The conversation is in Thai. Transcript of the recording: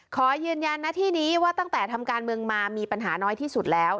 ขอยืนยันหน้าที่นี้ว่าตั้งแต่ทำการเมืองมามีปัญหาน้อยที่สุดแล้ว